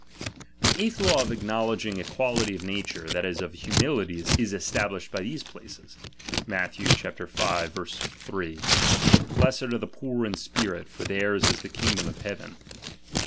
The eighth law of acknowledging equality ^MD^'pride. of nature, that is, of humility, is established by these places : Matth. v. iii : Blessed are the poor I in spirit, for theirs is the kingdom of heaven.